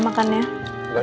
makannya diambil ya mbak